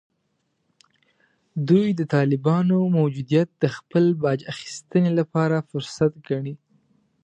دوی د طالبانو موجودیت د خپل باج اخیستنې لپاره فرصت ګڼي